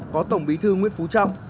có tổng bí thư nguyễn phú trọng